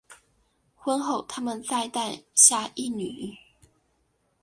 婚后他们再诞下一女。